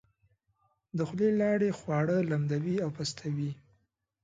د خولې لاړې خواړه لمدوي او پستوي.